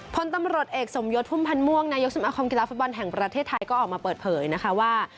พลตำรวจเอกสมยศพุ่มพันธ์ม่วงนายกสมาคมกีฬาฟุตบอลแห่งประเทศไทยก็ออกมาเปิดเผยนะคะว่า